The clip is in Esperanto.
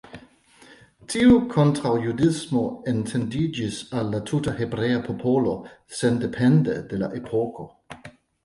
Tiu kontraŭjudismo etendiĝis al la tuta hebrea popolo sendepende de la epoko.